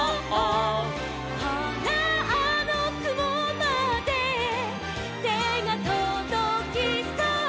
「ほらあのくもまでてがとどきそう」